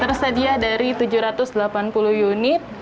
tersedia dari tujuh ratus delapan puluh unit